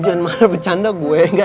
jangan marah bercanda gue